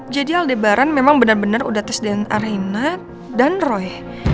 jadi aldebaran memang benar benar udah tes dna rena dan roy